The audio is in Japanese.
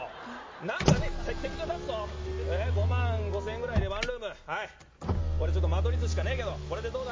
何か適当に出すぞ５万５０００円ぐらいでワンルームはいこれ間取り図しかねえけどこれでどうだ？